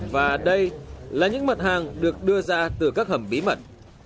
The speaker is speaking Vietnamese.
và đây là những mặt hàng được đưa ra từ các hầm bí mật